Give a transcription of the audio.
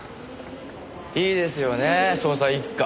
いいですよねぇ捜査一課。